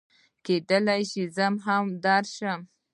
کېدی شي زه هم ورسره درشم